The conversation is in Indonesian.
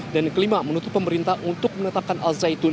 dan yang kelima menuntut pemerintah untuk menetapkan al zaitun